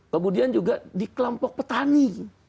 kemudian juga di kelompok petani